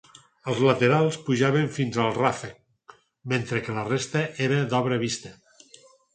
Els laterals pujaven fins al ràfec, mentre que la resta era d'obra vista.